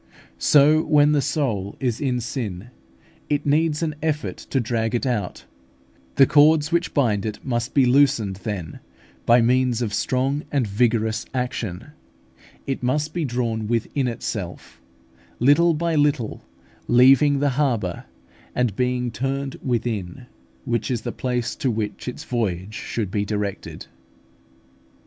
So, when the soul is in sin, it needs an effort to drag it out; the cords which bind it must be loosened; then, by means of strong and vigorous action, it must be drawn within itself, little by little leaving the harbour, and being turned within, which is the place to which its voyage should be directed.